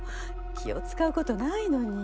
気を遣うことないのに。